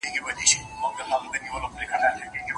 که په نښو کې ټکر راغلی، بحث یې څنګه دی؟